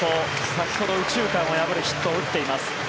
先ほど右中間を破るヒットを打っています。